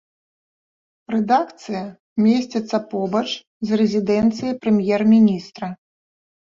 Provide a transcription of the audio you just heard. Рэдакцыя месціцца побач з рэзідэнцыяй прэм'ер-міністра.